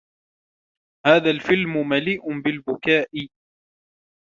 هذا الفلم مليء بالبكاء.